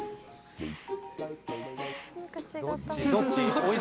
どっち？